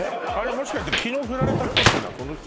もしかして昨日ふられた人ってのはその人？